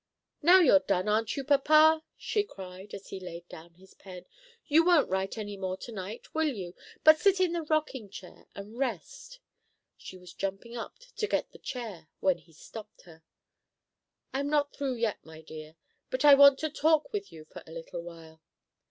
"Now you're done, arn't you, papa!" she cried, as he laid down his pen. "You won't write any more to night, will you, but sit in the rocking chair and rest." She was jumping up to get the chair, when he stopped her. "I'm not through yet, my dear. But I want to talk with you for a little while."